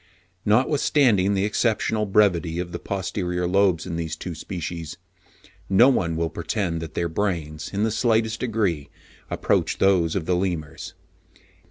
Notwithstanding the exceptional brevity of the posterior lobes in these two species, no one will pretend that their brains, in the slightest degree, approach those of the Lemurs.